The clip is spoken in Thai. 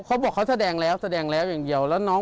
เขาบอกเขาแสดงแล้วแสดงแล้วอย่างเดียว